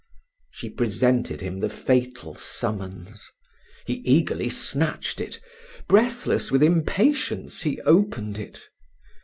She presented him the fatal summons. He eagerly snatched it: breathless with impatience, he opened it.